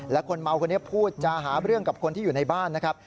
และคนเมาคนนี้พูดจาหาเรื่องกับคนที่อยู่ในบ้านนะครับ